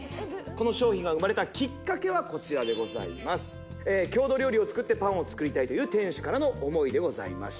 この商品が生まれたきっかけはこちらでございます郷土料理を使ってパンを作りたいという店主からの思いでございました